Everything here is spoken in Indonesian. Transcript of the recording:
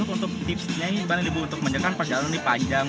untuk tipsnya ini bagaimana nih bu untuk menjelaskan perjalanan ini panjang